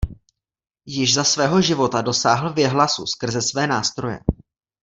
Již za svého života dosáhl věhlasu skrze své nástroje.